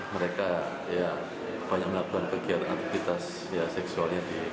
mereka banyak melakukan perkiraan aktivitas seksualnya